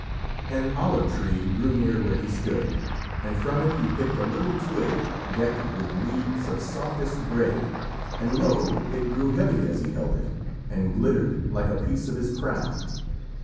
An olive tree grew near where he stood, and from it he picked a little twig decked with leaves of softest grey, and lo, it grew heavy as he held it, and glittered like a piece of his crown.